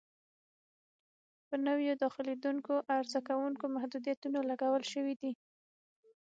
په نویو داخلېدونکو عرضه کوونکو محدودیتونه لګول شوي وي.